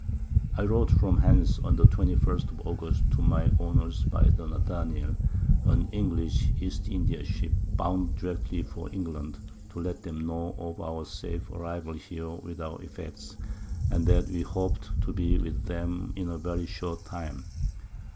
I wrote from hence on the 21_st_ of August to my Owners by the Nathanael, an English E. India Ship bound directly for England, to let them know of our safe Arrival here with our Effects, and that we hoped to be with them in a very short time.